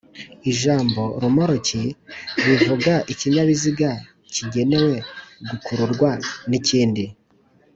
Ijambo "romoruki" bivuga ikinyabiziga kigenewe gukururwa n'ikindi